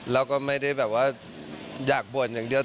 แล้วก็ไม่ได้แบบว่าอยากบ่นอย่างเดียว